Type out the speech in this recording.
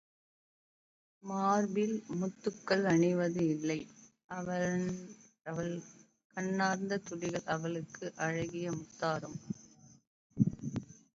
மார்பில் முத்துக்கள் அணிவது இல்லை அவள் கண்ணர்த் துளிகள் அவளுக்கு அழகிய முத்தாரம்.